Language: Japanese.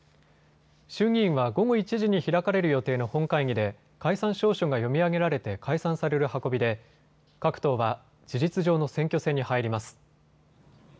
衆議院は午後１時に開かれる予定の本会議で解散詔書が読み上げられて解散される運びで各党は事実上の選挙戦に入ります。